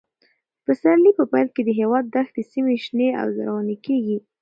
د پسرلي په پیل کې د هېواد دښتي سیمې شنې او زرغونې کېږي.